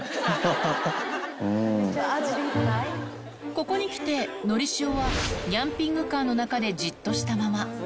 ここにきて、のりしおはニャンピングカーの中でじっとしたまま。